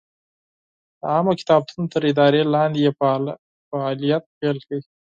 د عامه کتابتون تر ادارې لاندې یې فعالیت پیل کړ.